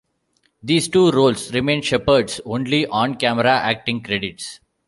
These two roles remain Sheppard's only on-camera acting credits.